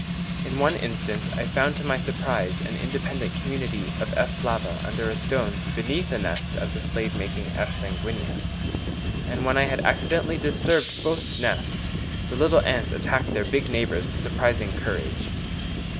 In one instance I found to my surprise an independent community of F. flava under a stone beneath a nest of the slave making F. sanguinea; and when I had accidentally disturbed both nests, the little ants attacked their big neighbours with surprising courage.